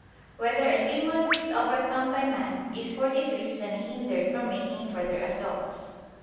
5] Whether a Demon Who Is Overcome by Man, Is for This Reason Hindered from Making Further Assaults?